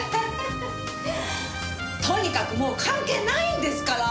とにかくもう関係ないんですから。